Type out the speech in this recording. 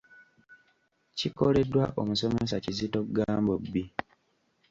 Kikoleddwa omusomesa Kizito Gambobbi.